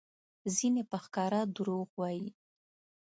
ځینې په ښکاره دروغ وایي؛